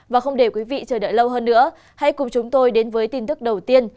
và không để quý vị chờ đợi lâu hơn nữa hãy cùng chúng tôi đến với tin tức đầu tiên